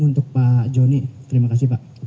untuk pak joni terima kasih pak